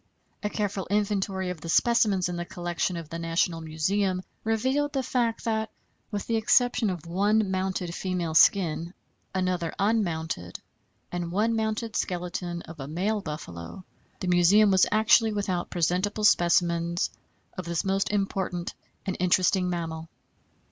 A careful inventory of the specimens in the collection of the National Museum revealed the fact that, with the exception of one mounted female skin, another unmounted, and one mounted skeleton of a male buffalo, the Museum was actually without presentable specimens of this most important and interesting mammal.